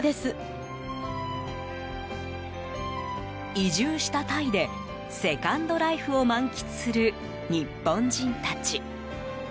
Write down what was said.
移住したタイでセカンドライフを満喫する日本人たち。